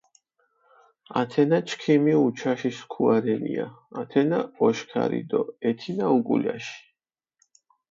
ათენა ჩქიმი უჩაში სქუა რენია, ათენა ოშქარი დო ეთინა უკულაში.